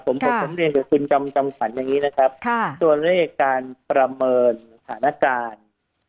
ผมเรียนสินคำจำขันอย่างนี้นะครับส่วนเรื่องการประเมินสถานการณ์